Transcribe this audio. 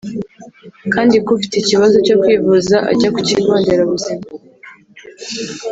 kandi ko ufite ikibazo cyo kwivuza ajya ku kigo nderabuzima